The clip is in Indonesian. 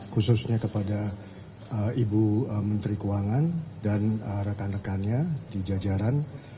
khususnya kepada ibu menteri keuangan dan rekan rekannya di jajaran